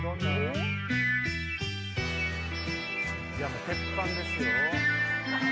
もう鉄板ですよ。